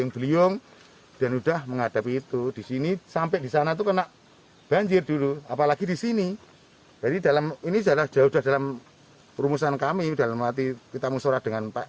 ngadiono dan keluarga rencananya akan dirolokasi untuk berpengalaman